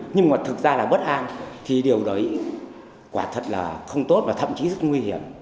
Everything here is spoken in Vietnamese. nhưng mà thực ra là bất an thì điều đấy quả thật là không tốt và thậm chí rất nguy hiểm